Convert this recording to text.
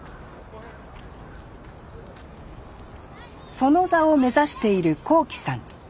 その座を目指している昂輝さん。